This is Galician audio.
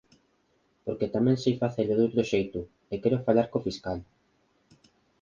Porque tamén sei facelo doutro xeito… E quero falar co fiscal.